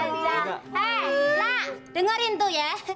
hei nak dengerin tuh ya